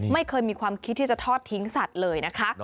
ไม่เคยมีความคิดที่จะทอดทิ้งสัตว์เลยนะคะ